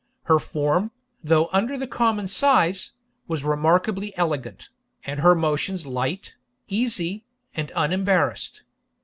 Her form, though under the common size, was remarkably elegant, and her motions light, easy, and unembarrassed.